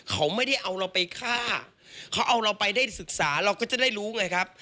เขาไม่ได้เอาเราไปฆ่าเขาเอาเราไปได้ศึกษาเราก็จะได้รู้ไงครับ